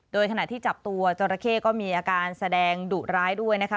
โดยขณะที่จับตัวจราเข้ก็มีอาการแสดงดุร้ายด้วยนะคะ